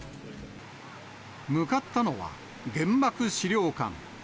向かったのは原爆資料館。